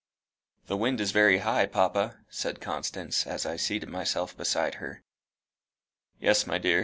"The wind is very high, papa," said Constance, as I seated myself beside her. "Yes, my dear.